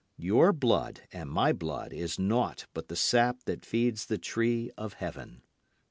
Your blood and my blood is naught but the sap that feeds the tree of heaven."